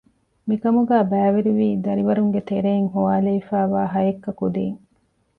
މިކަމުގައި ބައިވެރިވީ ދަރިވަރުންގެ ތެރެއިން ހޮވާލެވިފައިވާ ހައެއްކަ ކުދީން